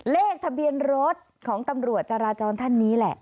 เลขทะเบียนรถของตำรวจจราจรท่านนี้แหละ